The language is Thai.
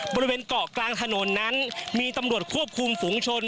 บริเวณเกาะกลางถนนนั้นมีตำรวจควบคุมฝุงชน